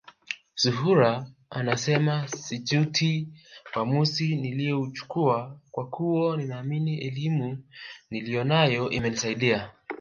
Zuhura anasema sijutii uamuzi niliouchukua kwa kuwa ninaamini elimu niliyonayo imenisaidia